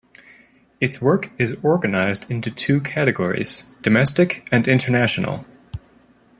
Its work is organised into two categories: domestic and international.